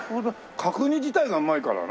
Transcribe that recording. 角煮自体がうまいからな。